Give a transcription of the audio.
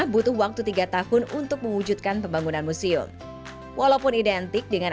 butuh waktu tiga tahun untuk mewujudkan pembangunan museum walaupun identik dengan